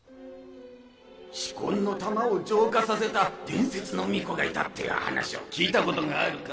四魂の玉を浄化させた伝説の巫女がいたっていう話を聞いたことがあるか？